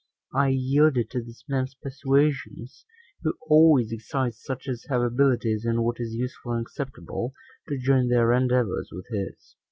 I yielded to this man's persuasions, who always excites such as have abilities in what is useful and acceptable, to join their endeavors with his.